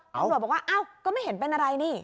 ตำรวจบอกว่าอ้าวก็ไม่เห็นเป็นอะไรนี่